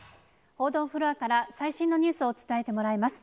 報道フロアから最新のニュースを伝えてもらいます。